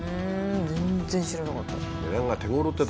全然知らなかった。